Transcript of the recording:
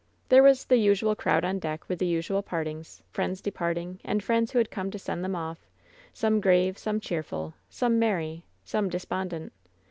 There was the usual crowd on deck; with the usual partings; friends departing, and friends who had come to send them off; some grave, some cheerful, some merry, some despondent.